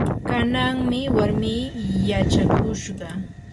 kananmi warmii wachakushqa.